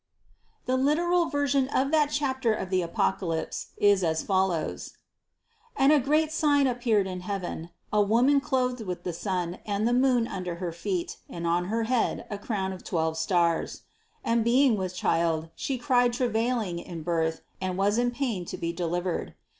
94. The literal version of that chapter of the Apoc alypse is as follows : 1. "And a great sign appeared in heaven: A woman clothed with the sun and the moon under her feet, and on her head a crown of twelve stars: 2. And being with child, she cried travailing in birth, and was in pain to be delivered.